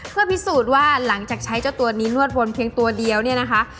เพื่อพิสูจน์ว่าหลังจากใช้เจ้าตัวนี้นวดวนเพียงตัวเดียวเนี่ยนะคะ